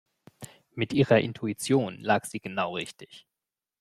Mit ihrer Intuition lag sie genau richtig.